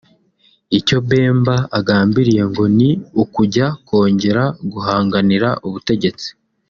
Icyo Bemba agambiriye ngo ni ukujya kongera guhanganira ubutegetsi